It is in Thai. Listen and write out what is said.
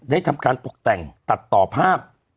ทำการตกแต่งตัดต่อภาพ